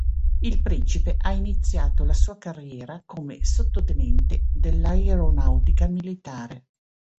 Il principe ha iniziato la sua carriera come sottotenente dell'aeronautica militare.